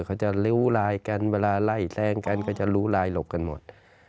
เขาจะริ้วลายกันเวลาไล่แทงกันก็จะรู้ลายหลบกันหมด